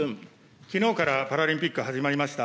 きのうからパラリンピック、始まりました。